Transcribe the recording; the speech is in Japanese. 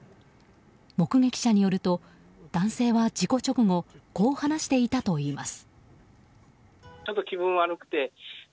目撃者によると男性は事故直後こう話していたといいます。